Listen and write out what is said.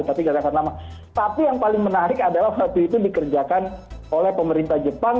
tapi katakanlah tapi yang paling menarik adalah waktu itu dikerjakan oleh pemerintah jepang